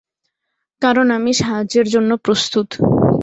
কারণ আমি সাহায্যের জন্য প্রস্তুত।